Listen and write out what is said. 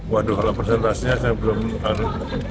waduh kalau presentasinya saya belum tahu